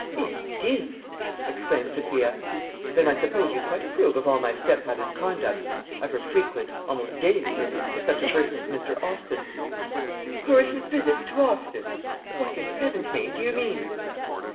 "Indeed!" exclaimed Sophia. "Then I suppose you quite approve of all my stepmother's conduct of her frequent, almost daily visits to such a person as Mr. Austin?" "Clarissa's visits to Austin! What, in heaven's name, do you mean?"